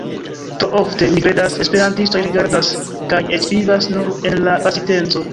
Tro ofte, mi kredas, esperantistoj rigardas kaj eĉ vivas nur en la pasinteco.